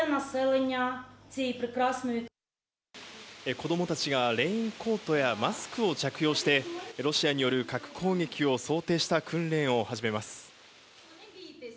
子どもたちがレインコートやマスクを着用して、ロシアによる核攻撃を想定した訓練を始めます。